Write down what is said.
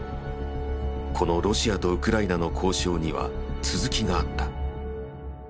このロシアとウクライナの交渉には続きがあった。